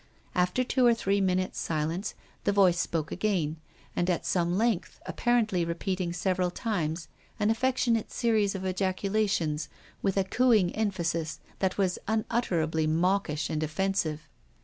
After two or three minutes' silence the voice spoke again, and at some length, apparently repeating several times an affectionate series of ejaculations with a PROFESSOR GUILDEA. 3^7 cooing emphasis that was unutterably mawkish and offensive.